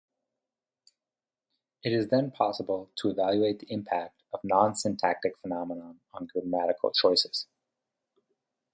It is then possible to evaluate the impact of non-syntactic phenomena on grammatical choices.